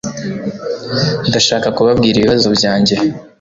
Ndashaka kubabwira ibibazo byanjye.